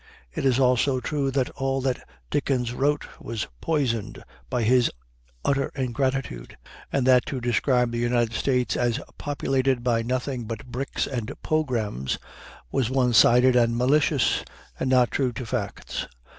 It is also true that all that Dickens wrote was poisoned by his utter ingratitude, and that to describe the United States as populated by nothing but Bricks and Pograms was one sided and malicious, and not true to facts.